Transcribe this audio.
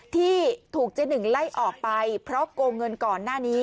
ที่ถูกเจ๊หนึ่งไล่ออกไปเพราะโกงเงินก่อนหน้านี้